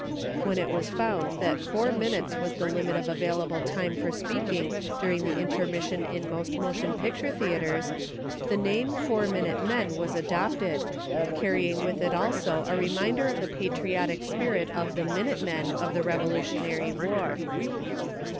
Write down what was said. When it was found that four minutes was the limit of available time for speaking during the intermission in most motion picture theatres, the name "Four Minute Men" was adopted, carrying with it also a reminder of the patriotic spirit of the "Minute Men" of the Revolu tionary War.